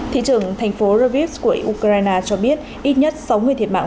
thị trưởng thành phố ravis của ukraine cho biết ít nhất sáu người thiệt mạng